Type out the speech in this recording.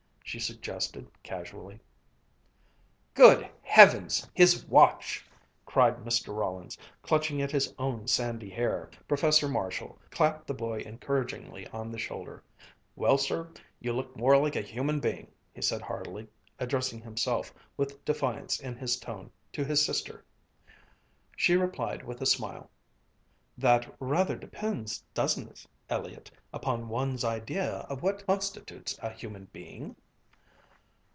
she suggested casually. "Good Heavens! His watch!" cried Mr. Rollins, clutching at his own sandy hair. Professor Marshall clapped the boy encouragingly on the shoulder. "Well, sir, you look more like a human being," he said heartily, addressing himself, with defiance in his tone, to his sister. She replied with a smile, "That rather depends, doesn't it, Elliott, upon one's idea of what constitutes a human being?"